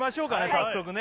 早速ね